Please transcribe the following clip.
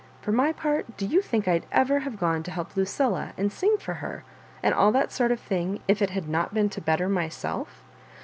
For my part, do you think I'd ever have gone to help Lucilla and sing for her, and all that sort of thing, if it had not been to better myself?